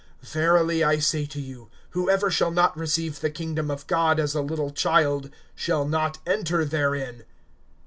(17)Verily I say to you, whoever shall not receive the kingdom of God as a little child, shall not enter therein.